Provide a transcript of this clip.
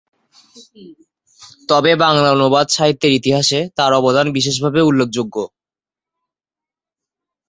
তবে বাংলা অনুবাদ সাহিত্যের ইতিহাসে তার অবদান বিশেষভাবে উল্লেখযোগ্য।